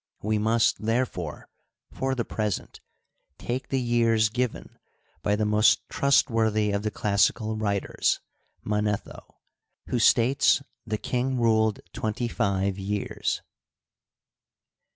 We must, therefore, for the present take the years given by the most trustworthy of the. classical writers, Manetho, who states the king ruled twenty five years.